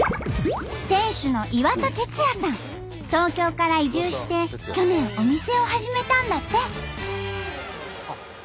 店主の東京から移住して去年お店を始めたんだって。